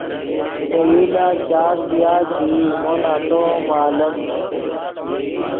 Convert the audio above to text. پے یو لاست چاڑ ژیا چے ای مو نتو ام معلوم